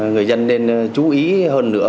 người dân nên chú ý hơn nữa